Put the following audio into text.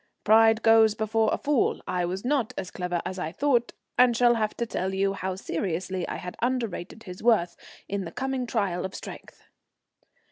Pride goes before a fall. I was not as clever as I thought, and shall have to tell you how seriously I had underrated his worth in the coming trial of strength.